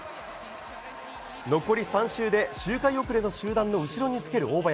残り３周で、周回遅れの集団の後ろにつける大林。